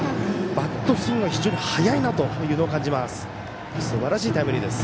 バットスイングが非常に速いなというのを感じます。